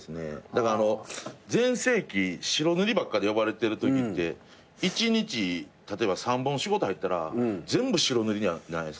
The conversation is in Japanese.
だからあの全盛期白塗りばっかで呼ばれてるときって１日例えば３本仕事入ったら全部白塗りじゃないですか。